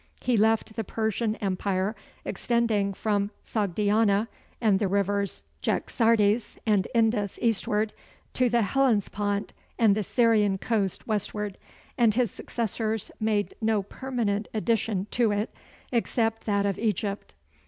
He left the Persian empire extending from Sogdiana and the rivers Jaxartes and Indus eastward, to the Hellespont and the Syrian coast westward, and his successors made no permanent addition to it except that of Egypt.